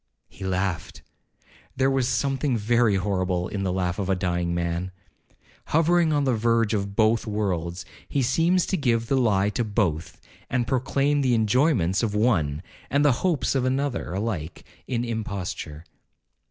He laughed. There is something very horrible in the laugh of a dying man: Hovering on the verge of both worlds, he seems to give the lie to both, and proclaim the enjoyments of one, and the hopes of another, alike an imposture.